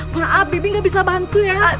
maaf b b gak bisa bantu ya